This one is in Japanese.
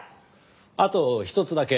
あとひとつだけ。